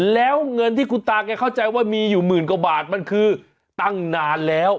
แล้วเงินที่คุณตาแกเข้าใจว่ามีอยู่หมื่นกว่าบาทมันคือตั้งนานแล้ว